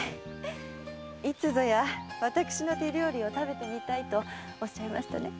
いつぞや私の手料理を食べてみたいとおっしゃいましたね。